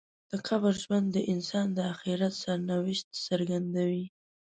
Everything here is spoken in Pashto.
د قبر ژوند د انسان د آخرت سرنوشت څرګندوي.